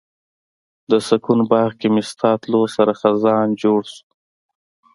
د سکون باغ کې مې ستا تلو سره خزان جوړ شو